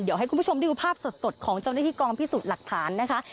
เดี๋ยวให้คุณผู้ชมได้ดูภาพสดของเจ้าหน้าที่กองพิสูจน์หลักฐานนะคะ